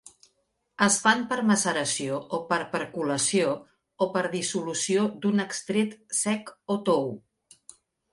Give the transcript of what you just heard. Es fan per maceració o per percolació o per dissolució d'un extret sec o tou.